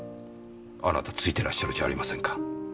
あなたツイてらっしゃるじゃありませんか。